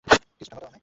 কিছু টাকা দাও আমায়।